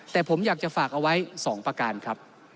แต่ผมอยากจะฝากเอาไว้๒ประการครับ